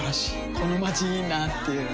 このまちいいなぁっていう